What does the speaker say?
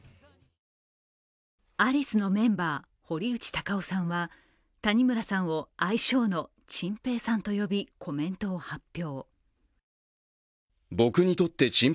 アリスのメンバー堀内孝雄さんは谷村さんを愛称のチンペイさんと呼び、コメントを発表。